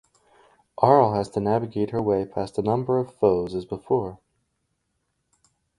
Arle has to navigate her way past a number of foes as before.